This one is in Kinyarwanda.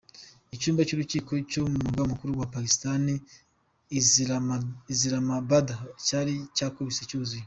Icyumba cy'urukiko cyo mu murwa mukuru wa Pakistan, Islamabad, cyari cyakubise cyuzuye.